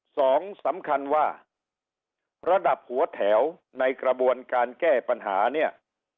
สองสำคัญว่าระดับหัวแถวในกระบวนการแก้ปัญหาเนี่ย